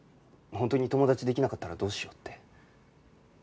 本当に友達できなかったらどうしようって。